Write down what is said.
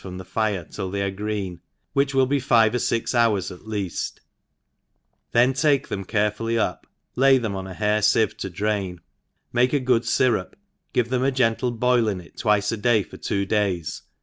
Crom the fire till they ar« greeo» y/hich ^ill be five pr (xx hours at kaft, then take them carefully up, Uy thetti on a hair iieye to drain, make a g^Dod fyrup^ give them a gentle boil in it twice a day, for two days.